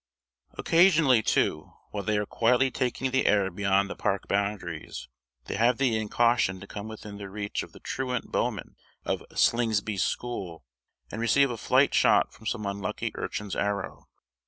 Occasionally, too, while they are quietly taking the air beyond the park boundaries, they have the incaution to come within the reach of the truant bowmen of Slingsby's school, and receive a flight shot from some unlucky urchin's arrow.